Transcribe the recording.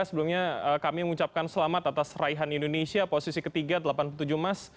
sebelumnya kami mengucapkan selamat atas raihan indonesia posisi ketiga delapan puluh tujuh emas